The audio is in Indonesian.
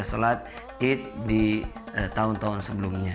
salat eid di tahun tahun sebelumnya